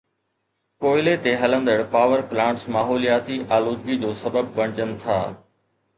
ڪوئلي تي هلندڙ پاور پلانٽس ماحولياتي آلودگي جو سبب بڻجن ٿا.